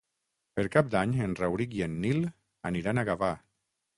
Per Cap d'Any en Rauric i en Nil aniran a Gavà.